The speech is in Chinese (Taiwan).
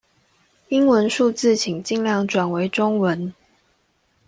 英文數字請盡量轉為中文